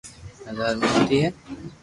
بزارر موٽي هي